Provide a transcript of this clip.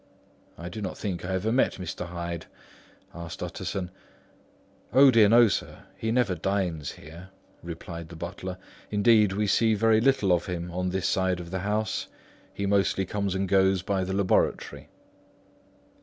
"I do not think I ever met Mr. Hyde?" asked Utterson. "O, dear no, sir. He never dines here," replied the butler. "Indeed we see very little of him on this side of the house; he mostly comes and goes by the laboratory."